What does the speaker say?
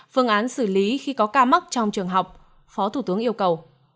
phương án xử lý khi có ca mắc trong trường học phó thủ tướng yêu cầu